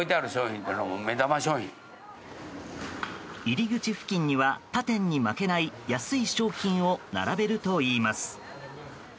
入り口付近には他店に負けない安い商品を並べるといいます。